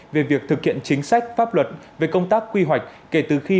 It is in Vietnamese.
về việc thực hiện chính sách pháp luật về công tác quy hoạch kể từ khi